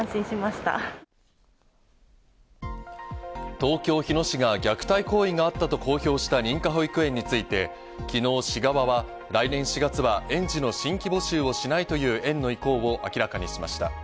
東京・日野市が虐待行為があったと公表した認可保育園について、昨日、市側は来年４月は園児の新規募集をしないという園の意向を明らかにしました。